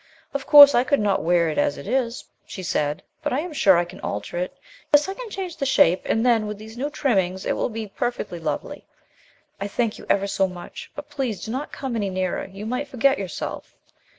"Of course, I could not wear it as it is," she said, "but I am sure I can alter it. Yes, I can change the shape and then, with these new trimmings, it will be perfectly lovely. I thank you ever so much. But please do not come any nearer; you might forget yourself."